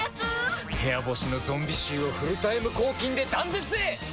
部屋干しのゾンビ臭をフルタイム抗菌で断絶へ！